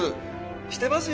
してますよね？